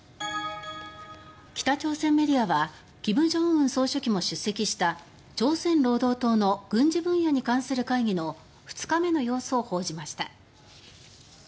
北朝鮮メディアは金正恩総書記も出席した朝鮮労働党の軍事分野に関する会議の２日目の様子を報じました。